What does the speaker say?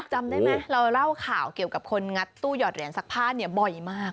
จำได้ไหมเราเล่าข่าวเกี่ยวกับคนงัดตู้หยอดเหรียญซักผ้าเนี่ยบ่อยมาก